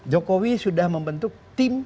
jokowi sudah membentuk tim